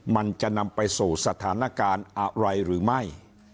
มันจะนำไปสู่สถานการณ์อะไรหรือไม่